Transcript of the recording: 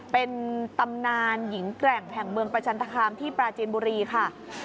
เป็นตำนานหญิงแกร่งแห่งเมืองประจันทคามที่ปราจีนบุรีค่ะ